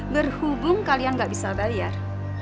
berhubung kalian gak bisa bayar